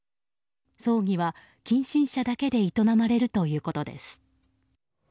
葬儀は近親者だけで営まれるということです。